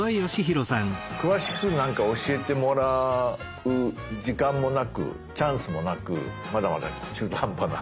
詳しくなんか教えてもらう時間もなくチャンスもなくまだまだ中途半端な。